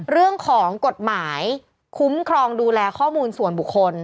เรื่องของกฎหมายคุ้มครองดูแลข้อมูลส่วนบุคคล